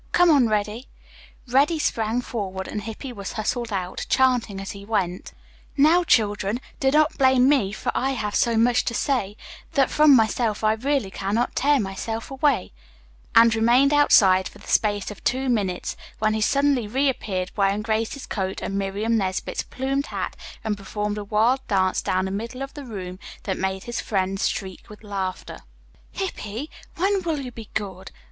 "Come on, Reddy." Reddy sprang forward and Hippy was hustled out, chanting as he went: "Now children do not blame me, for I have so much to say, That from myself I really cannot tear myself away," and remained outside for the space of two minutes, when he suddenly reappeared wearing Grace's coat and Miriam Nesbit's plumed hat and performed a wild dance down the middle of the room that made his friends shriek with laughter. "Hippy, when will you be good?"